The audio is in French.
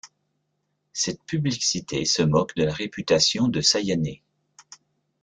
Cette publicité se moque de la réputation de Sayanee.